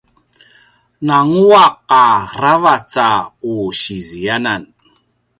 nanguaq a ravac a u si ziyanan